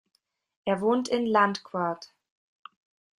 Er wohnt in Landquart.